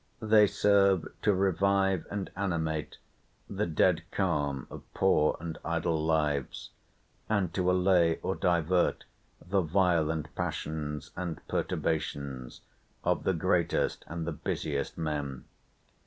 They serve to revive and animate the dead calm of poor and idle lives, and to allay or divert the violent passions and perturbations of the greatest and the busiest men.